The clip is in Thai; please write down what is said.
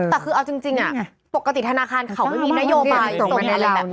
แต่คือเอาจริงปกติธนาคารเขาไม่มีนโยมายส่งมาในเรา